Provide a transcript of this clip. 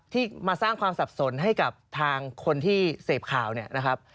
ที่มาสร้างความสับสนให้กับทางคนที่เสพข่าวเนี่ยนะครับ